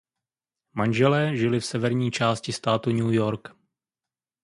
Manželé žili v severní části státu New York.